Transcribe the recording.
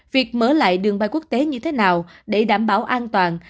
việc mở lại đường bay quốc tế như thế nào để đảm bảo an toàn